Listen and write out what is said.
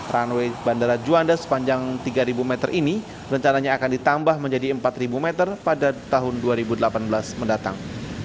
runway bandara juanda sepanjang tiga meter ini rencananya akan ditambah menjadi empat meter pada tahun dua ribu delapan belas mendatang